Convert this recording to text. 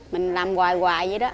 mình làm hoài hoài vậy đó